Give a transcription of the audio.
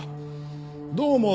どう思う？